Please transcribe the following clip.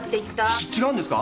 ちっ違うんですか？